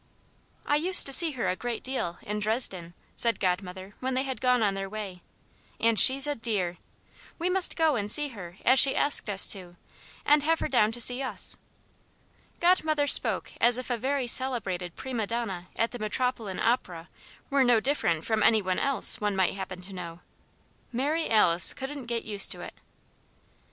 "I used to see her a great deal, in Dresden," said Godmother when they had gone on their way, "and she's a dear. We must go and see her as she asked us to, and have her down to see us." Godmother spoke as if a very celebrated prima donna at the Metropolitan Opera were no different from any one else one might happen to know. Mary Alice couldn't get used to it.